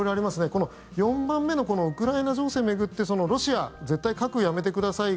この４番目のウクライナ情勢を巡ってロシア、絶対核やめてください。